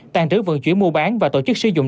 tàn trữ vận chuyển mua bán và tổ chức sử dụng